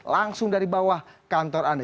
langsung dari bawah kantor anda